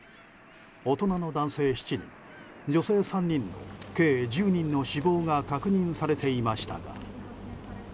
大人の男性７人、女性３人の計１０人の死亡が確認されていましたが。